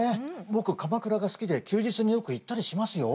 僕鎌倉が好きで休日によく行ったりしますよ。